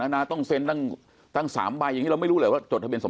และนาต้องเซ็นทำตั้งสามใบอย่างจะไม่รู้เลยว่าจดทะเบียนสมรส